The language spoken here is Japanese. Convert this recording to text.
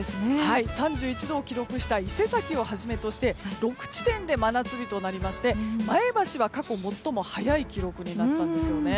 ３１度を記録した伊勢崎をはじめとして６地点で真夏日となりまして前橋は過去最も早い記録になったんですね。